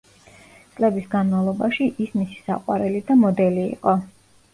წლების განმავლობაში ის მისი საყვარელი და მოდელი იყო.